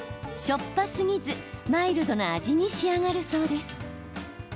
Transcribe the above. しょっぱすぎず、マイルドな味に仕上がるそうです。